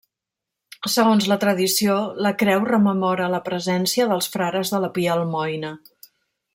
Segons la tradició, la creu rememora la presència dels frares de la Pia Almoina.